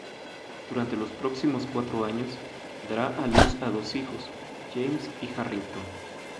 Durante los próximos cuatro años, dará a luz a dos hijos: James y Harrington.